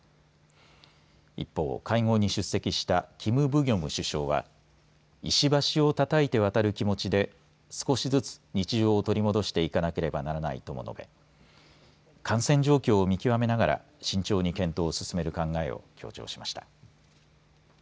一方、会合に出席したキム・ブギョム首相は石橋をたたいて渡る気持ちで少しずつ日常を取り戻していかなければならないとも述べ感染状況を見極めながら慎重に検討を進める考えを強調しました。